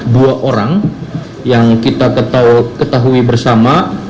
dua orang yang kita ketahui bersama